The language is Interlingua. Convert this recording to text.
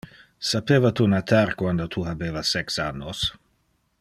Sapeva tu natar quando tu habeva sex annos?